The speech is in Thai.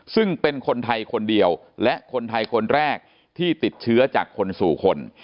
ซึ่งเป็นคนไทยคนเดียวและคนไทยคนแรกที่ติดเชื้อจากคนสู่คน